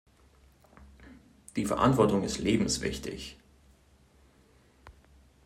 Die Verantwortung ist lebenswichtig.